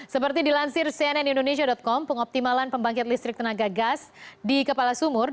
seperti dilansir cnn indonesia com pengoptimalan pembangkit listrik tenaga gas di kepala sumur